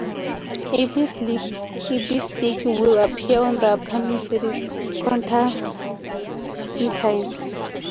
Ibis' Ibistick will appear in the upcoming series "Constantine".